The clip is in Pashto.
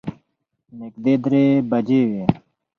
نږدې درې بجې وې.